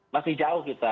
masih jauh kita